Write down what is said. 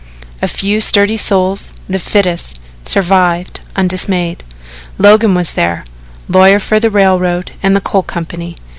A few sturdy souls, the fittest, survived undismayed. Logan was there lawyer for the railroad and the coal company.